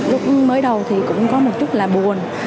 lúc mới đầu thì cũng có một chút là buồn